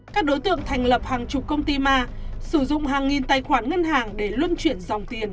các đối tượng thành lập hàng chục công ty ma sử dụng hàng nghìn tài khoản ngân hàng để luân chuyển dòng tiền